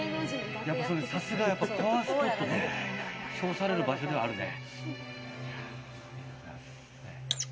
さすがパワースポットと称される場所ではあるね。